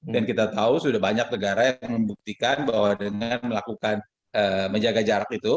dan kita tahu sudah banyak negara yang membuktikan bahwa dengan melakukan menjaga jarak itu